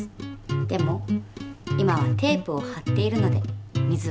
でも今はテープをはっているので水は出ません。